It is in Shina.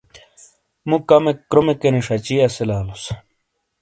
مُو کمیک کرومے کینی ݜچی اسیلا لوس۔